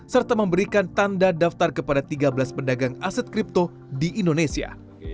serta memberikan tanda daftar kepada tiga belas pedagang aset kripto di indonesia